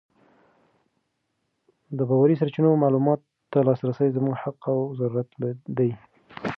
د باوري سرچینو معلوماتو ته لاسرسی زموږ حق او ضرورت دی.